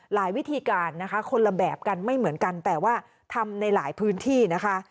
วิธีการนะคะคนละแบบกันไม่เหมือนกันแต่ว่าทำในหลายพื้นที่นะคะ